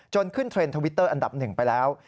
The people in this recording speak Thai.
ขึ้นเทรนด์ทวิตเตอร์อันดับหนึ่งไปแล้ว